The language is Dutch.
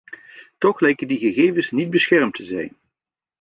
Toch lijken die gegevens niet beschermd te zijn.